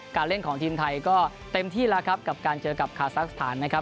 เล่นของทีมไทยก็เต็มที่แล้วครับกับการเจอกับคาซักสถานนะครับ